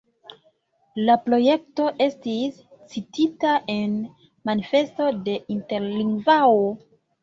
La projekto estis citita en Manifesto de Interlingvao.